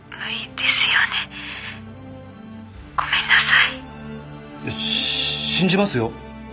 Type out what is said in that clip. いや信じますよ。